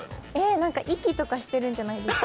なんか息とかしてるんじゃないですか？